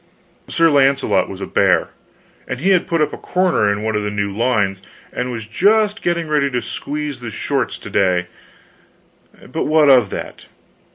Sir Launcelot was a bear, and he had put up a corner in one of the new lines, and was just getting ready to squeeze the shorts to day; but what of that?